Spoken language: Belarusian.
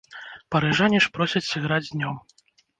Парыжане ж просяць сыграць днём.